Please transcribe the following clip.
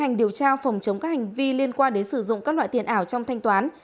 công an tp hcm sẽ tiến hành điều tra các hành vi liên quan đến sử dụng các loại tiền ảo trong thanh toán